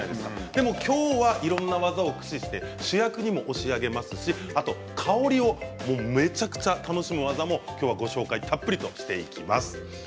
でもきょうはいろんな技を駆使して主役に押し上げますし香りをめちゃくちゃ楽しむ技もきょうご紹介をたっぷりとしていきます。